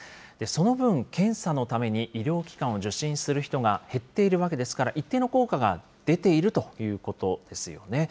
その分、検査のために医療機関を受診する人が減っているわけですから、一定の効果が出ているということですよね。